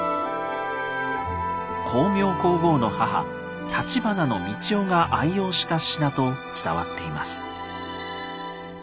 光明皇后の母橘三千代が愛用した品と伝わっています。